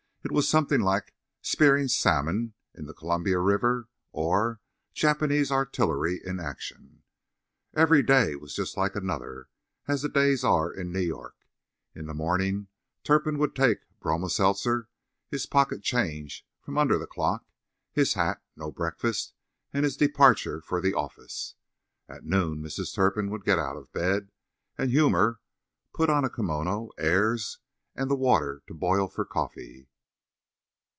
It was something like "Spearing Salmon in the Columbia River," or "Japanese Artillery in Action." Every day was just like another; as the days are in New York. In the morning Turpin would take bromo seltzer, his pocket change from under the clock, his hat, no breakfast and his departure for the office. At noon Mrs. Turpin would get out of bed and humour, put on a kimono, airs, and the water to boil for coffee.